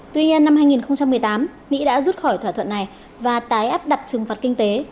tuy nhiên năm hai nghìn một mươi tám mỹ đã rút khỏi thỏa thuận này và tái áp đặt trừng phạt kinh tế